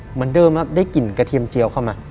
เหมือนเดิมครับได้กลิ่นกระเทียมเจียวเข้ามา